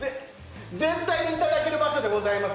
全体にいただける場所でございます。